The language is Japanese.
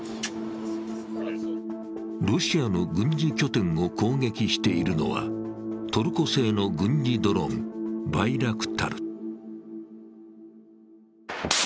ロシアの軍事拠点を攻撃しているのは、トルコ製の軍事ドローン、バイラクタル。